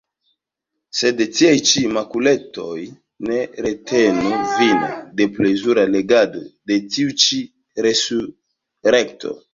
Sed tiaj ĉi makuletoj ne retenu vin de plezura legado de tiu ĉi Resurekto!